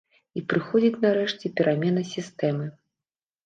І прыходзіць нарэшце перамена сістэмы.